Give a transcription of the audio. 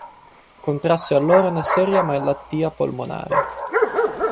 Contrasse allora una seria malattia polmonare.